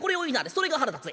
それが腹立つ。